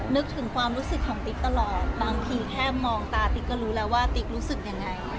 นึกถึงความรู้สึกของติ๊กตลอดบางทีแค่มองตาติ๊กก็รู้แล้วว่าติ๊กรู้สึกยังไง